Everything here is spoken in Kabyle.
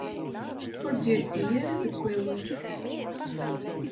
Ur d-yeddi ara deg wawal.